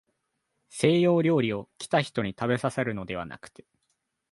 西洋料理を、来た人にたべさせるのではなくて、